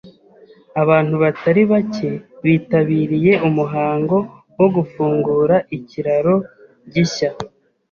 Abantu batari bake bitabiriye umuhango wo gufungura ikiraro gishya.